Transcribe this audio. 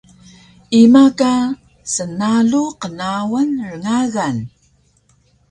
Ima ka smnalu qnawal rngagan?